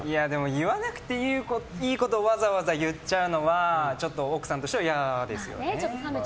言わなくていいことをわざわざ言っちゃうのはちょっと奥さんとしては嫌ですよね。